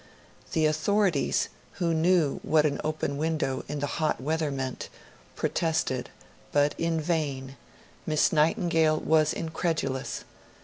The authorities, who knew what an open window in the hot weather meant, protested, but in vain; Miss Nightingale was incredulous.